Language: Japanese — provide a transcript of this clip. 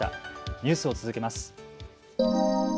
ニュースを続けます。